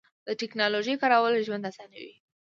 د تکنالوژۍ کارول ژوند اسانوي.